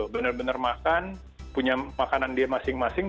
benar benar makan punya makanan dia masing masing